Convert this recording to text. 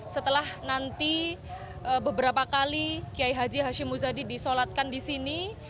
setelah nanti beberapa kali kiai haji hashim muzadi disolatkan di sini